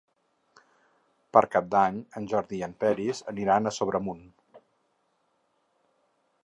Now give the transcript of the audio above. Per Cap d'Any en Jordi i en Peris aniran a Sobremunt.